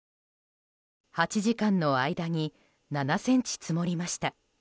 ８時間の間に７ｃｍ積もりました。